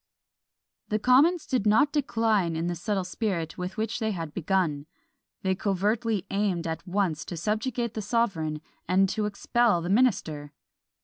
The commons did not decline in the subtle spirit with which they had begun; they covertly aimed at once to subjugate the sovereign, and to expel the minister!